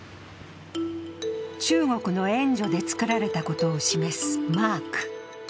中国の援助で造られたことを示すマーク。